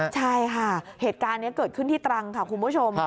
ใช่ค่ะเหตุการณ์นี้เกิดขึ้นที่ตรังค่ะคุณผู้ชม